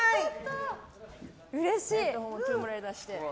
うれしい！